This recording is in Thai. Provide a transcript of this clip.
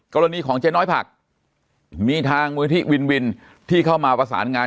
กรณีของเจ๊น้อยผักมีทางมูลที่วินวินที่เข้ามาประสานงาน